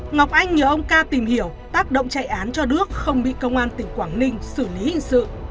ngọc anh nhờ ông ca tìm hiểu tác động chạy án cho đước không bị công an tỉnh quảng ninh xử lý hình sự